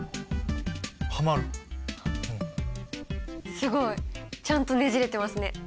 すごい！ちゃんとねじれてますね。